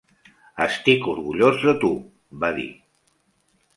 "Estic orgullós de tu", va dir.